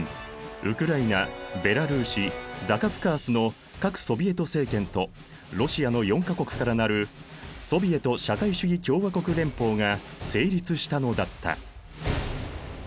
ウクライナベラルーシザカフカースの各ソヴィエト政権とロシアの４か国からなるソヴィエト社会主義共和国連邦が成立したのだった。